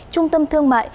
trung tâm thương mại